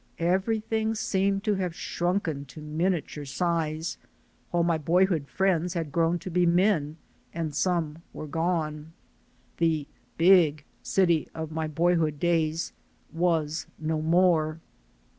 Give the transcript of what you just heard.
Every thing seemed to have shrunken to miniature size, while my boyhood friends had grown to be men, and some were gone. The "big'* city of my boyhood days was no more.